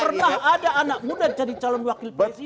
pernah ada anak muda jadi calon wakil presiden